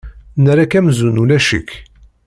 Nerra-k amzun ulac-ik.